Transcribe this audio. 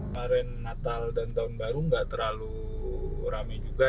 pada saat natal dan tahun baru tidak terlalu ramai juga